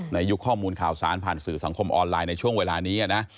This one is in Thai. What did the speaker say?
ยุคข้อมูลข่าวสารผ่านสื่อสังคมออนไลน์ในช่วงเวลานี้นะ